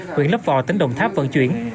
huyện lấp vò tỉnh đồng tháp vận chuyển